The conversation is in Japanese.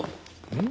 うん？